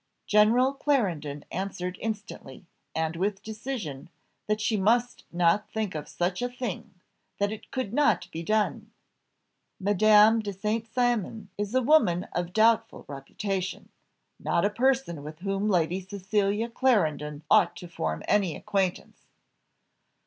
General Clarendon answered instantly, and with decision, that she must not think of such a thing that it could not be done. "Madame de St. Cymon is a woman of doubtful reputation, not a person with whom Lady Cecilia Clarendon ought to form any acquaintance."